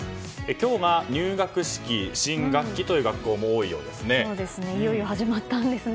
今日が入学式、新学期という学校もいよいよ始まったんですね。